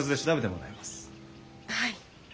はい。